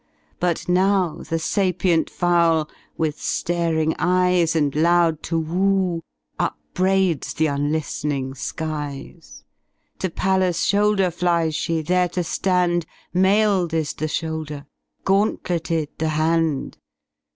But ?iow the sapient Fowl, with faring eyes And loud Hu'ivhoOy* upbraids th* unliilenmg skies: To Pallas^ shoulder flies she, there to ftand — MaiVd is the shoulder ^ gauntleted the hand.